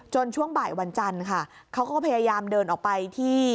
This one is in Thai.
ช่วงบ่ายวันจันทร์ค่ะเขาก็พยายามเดินออกไปที่